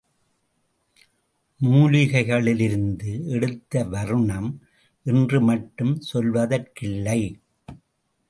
மூலிகைகளிலிருந்து எடுத்த வர்ணம் என்று மட்டும் சொல்வதற்கில்லை.